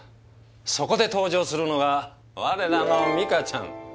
そこで登場するのが我らのミカちゃん。